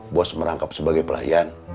bos merangkap sebagai pelayan